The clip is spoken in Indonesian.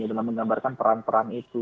dalam menggambarkan peran peran itu